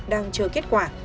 đang chờ kết quả